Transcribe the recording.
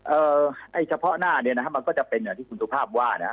เอ่อไอ้เฉพาะหน้าเนี่ยนะฮะมันก็จะเป็นอย่างที่คุณสุภาพว่านะฮะ